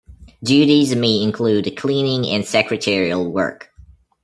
Duties may include cleaning and secretarial work.